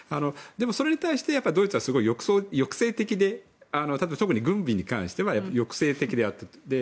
それに対してドイツはすごい抑制的で特に軍備に関しては抑制的であった。